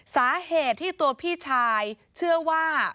สาเหตุที่ตัวพี่ชายเชื่อว่า